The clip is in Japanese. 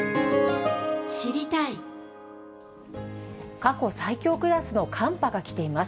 過去最強クラスの寒波が来ています。